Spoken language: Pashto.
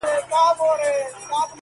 o ادب له زخمه اخيستل کېږي.